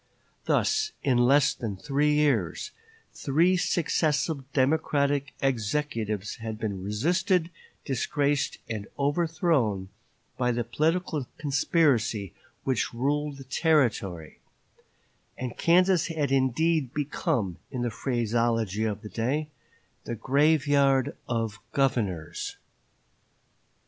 Thus, in less than three years, three successive Democratic executives had been resisted, disgraced, and overthrown by the political conspiracy which ruled the Territory; and Kansas had indeed become, in the phraseology of the day, "the graveyard of governors."